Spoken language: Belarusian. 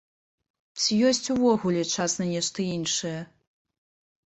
Ці ёсць увогуле час на нешта іншае?